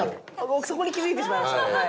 奥底に気づいてしまいましたね。